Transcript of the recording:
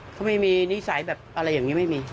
เขาไม่มีนิสัยแบบอะไรอย่างนี้ไม่มี